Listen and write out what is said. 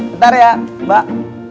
bentar ya mbak